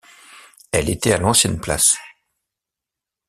Elle était à l’ancienne place.